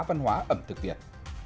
văn hóa ẩm thực việt